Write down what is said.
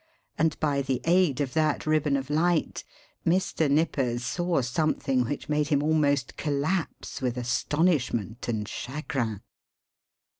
And by the aid of that ribbon of light Mr. Nippers saw something which made him almost collapse with astonishment and chagrin.